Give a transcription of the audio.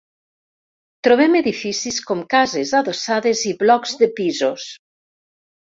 Trobem edificis com cases adossades i blocs de pisos.